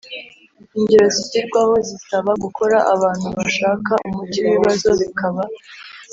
Ingero zigirwaho zisaba gukora abantu bashaka umuti w ibibazo bikaba